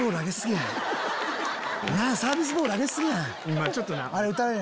まぁちょっとな。